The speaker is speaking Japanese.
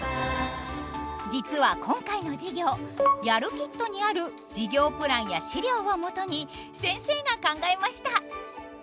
実は今回の授業やるキットにある授業プランや資料をもとに先生が考えました。